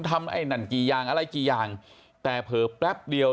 ไอ้นั่นกี่อย่างอะไรกี่อย่างแต่เผลอแป๊บเดียว